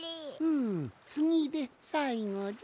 んつぎでさいごじゃ。